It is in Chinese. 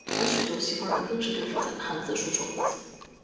而许多西方人更是对复杂的汉字束手无策。